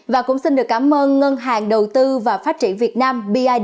và cũng xin được cảm ơn ngân hàng đầu tư và phát triển việt nam